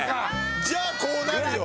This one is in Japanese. じゃあこうなるよ。